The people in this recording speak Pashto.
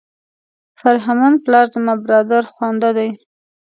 فرهمند پلار زما برادرخوانده دی.